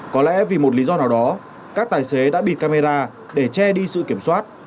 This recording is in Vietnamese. có lẽ vì một lý do nào đó các tài xế đã bịt camera để che đi sự kiểm soát